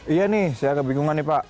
iya nih saya kebingungan nih pak